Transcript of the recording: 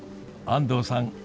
安藤さん